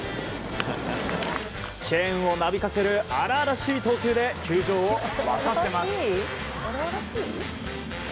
チェーンをなびかせる荒々しい投球で球場を沸かせます。